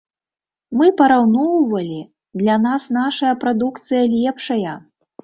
Мы параўноўвалі, для нас нашая прадукцыя лепшая.